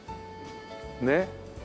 ねっ。